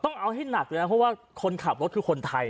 ต้องเอาให้หนักเลยนะเพราะว่าคนขับรถคือคนไทย